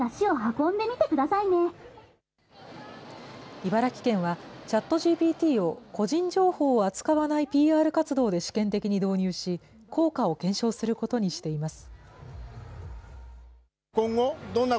茨城県は、ＣｈａｔＧＰＴを個人情報を扱わないＰＲ活動で試験的に導入し、効果を検証することにしています。